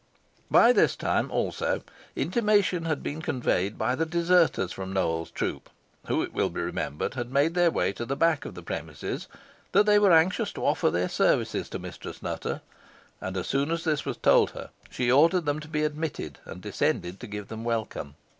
By this time, also, intimation had been conveyed by the deserters from Nowell's troop, who, it will be remembered, had made their way to the back of the premises, that they were anxious to offer their services to Mistress Nutter; and, as soon as this was told her, she ordered them to be admitted, and descended to give them welcome.